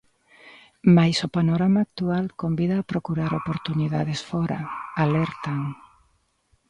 Máis o panorama actual convida a procurar oportunidades fóra, alertan.